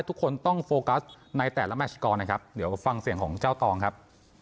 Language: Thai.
ทุกคนต้องโฟกัสในแต่ละแมชกรนะครับเดี๋ยวฟังเสียงของเจ้าตองครับ